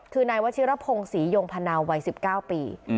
คือนายวชิรพงศรียงพนาววัย๑๙ปี